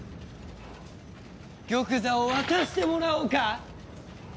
玉座を渡してもらおうか！